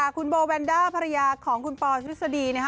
คุณโบเวนด้าภรรยาของคุณปอร์ทฤษฎี